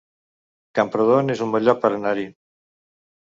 Camprodon es un bon lloc per anar-hi